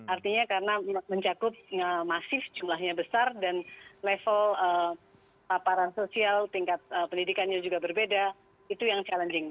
artinya karena mencakup masif jumlahnya besar dan level paparan sosial tingkat pendidikannya juga berbeda itu yang challenging